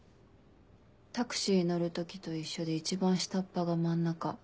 タクシー乗る時と一緒で一番下っ端が真ん中。